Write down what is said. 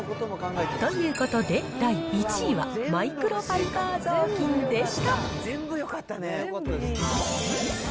ということで、第１位はマイクロファイバー雑巾でした。